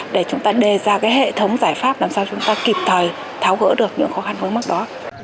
để chúng ta đề ra cái hệ thống giải pháp làm sao chúng ta kịp thời tháo gỡ được những khó khăn vướng mắt đó